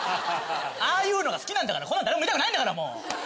ああいうのが好きなんだからこんなの誰も見たくないんだからもう。